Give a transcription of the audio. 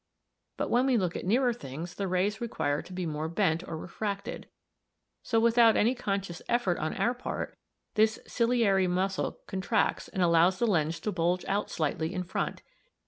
But when we look at nearer things the rays require to be more bent or refracted, so without any conscious effort on our part this ciliary muscle contracts and allows the lens to bulge out slightly in front.